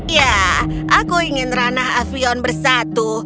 ya aku ingin ranah avion bersatu